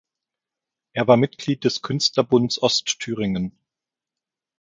Er war Mitglied des Künstlerbunds Ostthüringen.